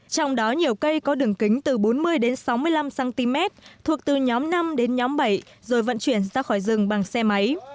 trong đó nhiều cây có đường kính từ bốn mươi đến sáu mươi năm cm thuộc từ nhóm năm đến nhóm bảy rồi vận chuyển ra khỏi rừng bằng xe máy